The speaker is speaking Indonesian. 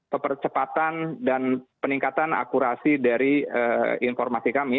kepercepatan dan peningkatan akurasi dari informasi kami